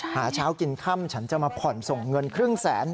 หาเช้ากินค่ำฉันจะมาผ่อนส่งเงินครึ่งแสน